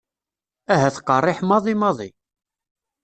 Ahat qerriḥ maḍi maḍi.